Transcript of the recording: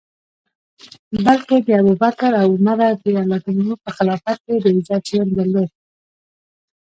بلکه د ابوبکر او عمر رض په خلافت کي یې د عزت ژوند درلود.